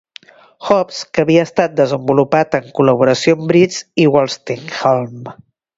Hobbs, que havia estat desenvolupat en col·laboració amb Briggs i Wolstenholme.